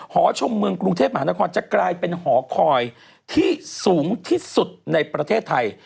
หอชมเมืองกรุงเทพมหานครจะกลายเป็นหอคอยที่สูงที่สุดในประเทศไทย